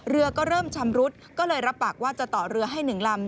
เรือก็เริ่มชำรุดก็เลยรับปากว่าจะต่อเรือให้๑ลำ